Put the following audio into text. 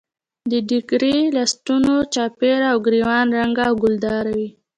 د ډیګرې لستوڼو چاپېره او ګرېوان رنګه او ګلدار وي.